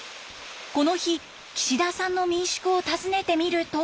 この日岸田さんの民宿を訪ねてみると。